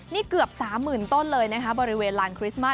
นี่เกือบ๓๐๐๐ต้นเลยนะคะบริเวณลานคริสต์มาส